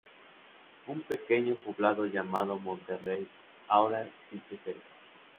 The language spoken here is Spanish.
Un pequeño poblado llamado Monterrey, ahora existe cerca.